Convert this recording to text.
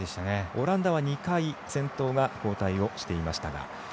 オランダは２回先頭が交代をしていましたが。